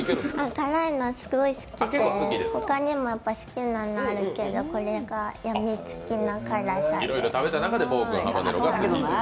辛いの、すごい好きで他にも好きなのあるけどこれがやみつきな辛さで。